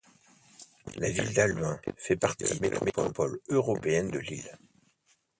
La ville d'Halluin fait partie de la Métropole Européenne de Lille.